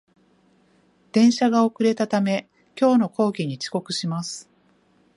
電車が遅れたため、今日の講義に遅刻します